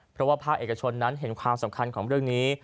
เพราะว่าภาคเอกชนนั้นเห็นความสำคัญของเรื่องนี้